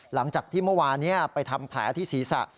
หลังจากที่เมื่อวานนี้ไปทำแผลที่ศีรษะ